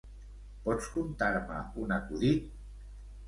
Pots contar-me un acudit?